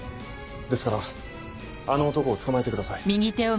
ですからあの男を捕まえてください。